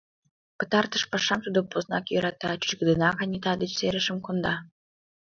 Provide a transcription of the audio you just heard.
Пытартыш пашам тудо поснак йӧрата, чӱчкыдынак Анита деч серышым конда.